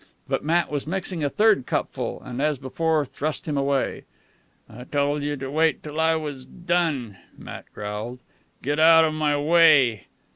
But Matt was mixing a third cupful, and, as before, thrust him away. "I told you to wait till I was done," Matt growled. "Get outa my way."